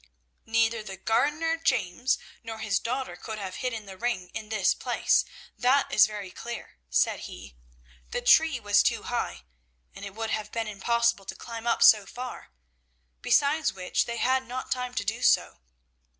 "'Neither the gardener James nor his daughter could have hidden the ring in this place, that is very clear,' said he. 'The tree was too high, and it would have been impossible to climb up so far. Besides which, they had not time to do so.